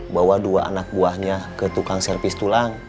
bawa dua anak buahnya ke tukang servis tulang